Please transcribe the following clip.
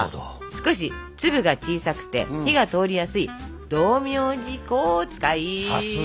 少し粒が小さくて火が通りやすい道明寺粉を使います。